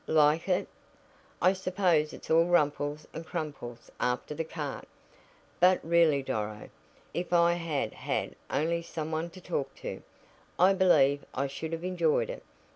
"Like it? I suppose it's all rumples and crumples after the cart. But really, Doro, if I had had only some one to talk to, I believe I should have enjoyed it.